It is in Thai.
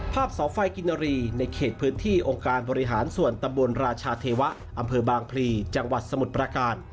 เสาไฟกินรีในเขตพื้นที่องค์การบริหารส่วนตำบลราชาเทวะอำเภอบางพลีจังหวัดสมุทรประการ